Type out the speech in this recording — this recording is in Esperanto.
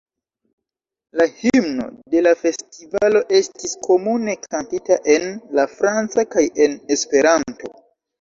La himno de la festivalo estis komune kantita en la franca kaj en Esperanto.